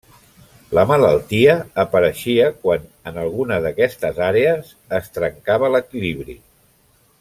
La malaltia apareixia quan en alguna d'aquestes àrees es trencava l'equilibri.